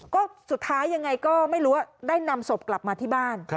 ก็สุดท้ายยังไงก็ไม่รู้ว่าได้นำศพกลับมาที่บ้าน